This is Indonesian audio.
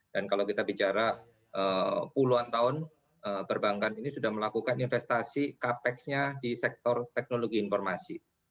dan kalau kita bicara puluhan tahun perbankan ini sudah melakukan investasi capex nya di sektor teknologi informasi